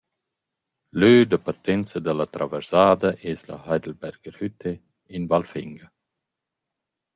Lö da partenza da la «Traversada» es la «Heidelbergerhütte» in Val Fenga.